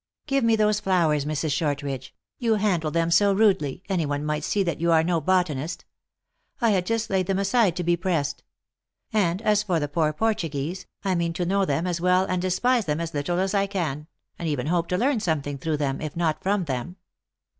" Give me those flowers, Mrs. Shortridge ; you handle them so rudely, any one might see that you are no botanist. I had just laid them aside to be pressed. And as for the poor Portuguese, I mean to know them as well and despise them as little as I can, and even hope to learn something through them, if not from them.